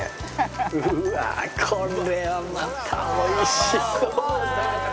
うわこれはまた美味しそう。